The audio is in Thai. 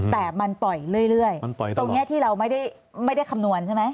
แต่มันปล่อยเรื่อยตรงนี้ที่เราไม่ได้คำนวณใช่ไหม